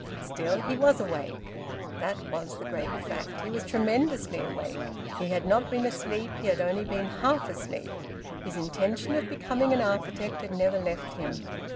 Still, he was awake that was the great fact. He was tremendously awake. He had not been asleep; he had only been half asleep. His intention of becoming an architect had never left him.